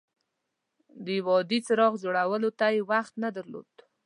د یو عادي څراغ جوړولو ته یې وخت نه درلود.